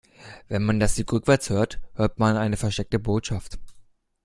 Wenn man das Lied rückwärts hört, hört man eine versteckte Botschaft.